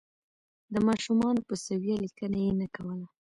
د ماشومانو په سویه لیکنه یې نه کوله.